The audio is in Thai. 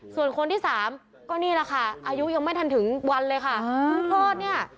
ส่วนคนที่สามก็นี่แหละค่ะอายุยังไม่ทันถึงวันเลยค่ะเพิ่งคลอดเนี่ย